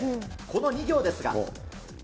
この２行ですが。